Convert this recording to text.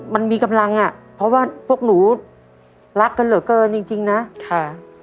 มันมีกำลังอ่ะเพราะว่าพวกหนูรักกันเหลือเกินจริงจริงนะค่ะ